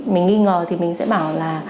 mình nghi ngờ thì mình sẽ bảo là